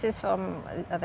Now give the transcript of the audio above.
adalah sponsor atau